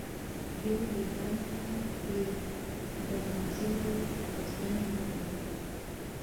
یو له بله نه دې د نومځرو پوښتنې وکړي.